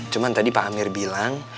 cuman tadi pak hamir bilang